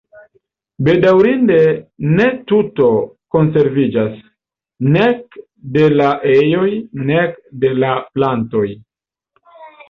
Bedaŭrinde ne tuto konserviĝas, nek de la ejoj nek de la plantoj.